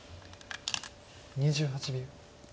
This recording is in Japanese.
２８秒。